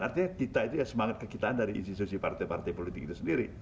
artinya kita itu ya semangat kekitaan dari institusi partai partai politik itu sendiri